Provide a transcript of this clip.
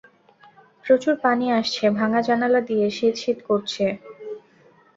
প্রচুর পানি আসছে ভাঙ্গা জানালা দিয়ে, শীত-শীত করছে।